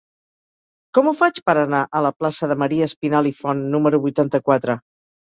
Com ho faig per anar a la plaça de Maria Espinalt i Font número vuitanta-quatre?